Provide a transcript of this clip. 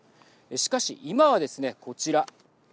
しかし今はですね、こちら。